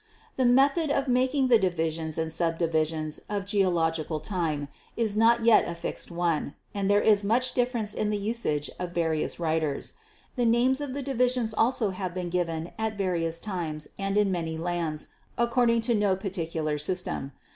"The method of making the divisions and subdivisions of geological time is not yet a fixed one, and there is much difference in the usage of various writers. The names of the divisions also have been given at various times and in many lands, according to no particular system.